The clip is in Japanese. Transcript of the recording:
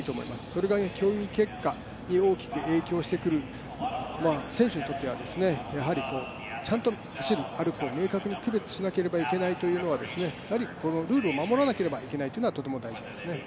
それが競技結果に大きく影響してくる、選手にとってはやはりちゃんと走る、歩くを明確に区別しなくてはいけないというのは、やはりルールを守らなきゃいけないというのはとても大事ですね。